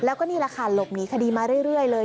แล้วก็นี่แหละค่ะหลบหนีคดีมาเรื่อยเลย